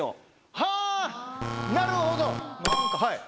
なるほど。